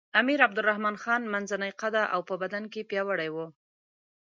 امیر عبدالرحمن خان منځنی قده او په بدن کې پیاوړی وو.